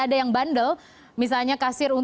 waktu hal yang itu tidak bisa disesuaikan